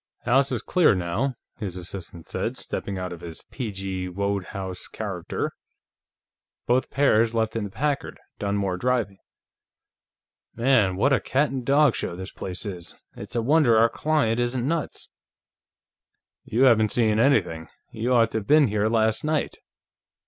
"House is clear, now," his assistant said, stepping out of his P. G. Wodehouse character. "Both pairs left in the Packard, Dunmore driving. Man, what a cat and dog show this place is! It's a wonder our client isn't nuts." "You haven't seen anything; you ought to have been here last night